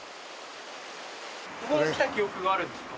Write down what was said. ここも来た記憶があるんですか？